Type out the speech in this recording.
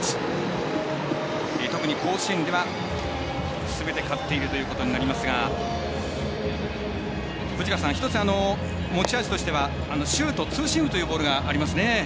特に甲子園ではすべて勝っているということになりますが１つ、持ち味としてはシュート、ツーシームというボールありますね。